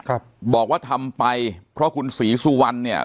ครับบอกว่าทำไปเพราะคุณศรีสุวรรณเนี่ย